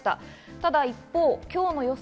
ただ一方、今日の予想